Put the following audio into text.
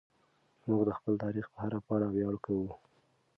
موږ د خپل تاریخ په هره پاڼه ویاړ کوو.